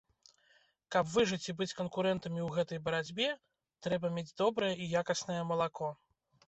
Каб выжыць і быць канкурэнтамі ў гэтай барацьбе, трэба мець добрае і якаснае малако.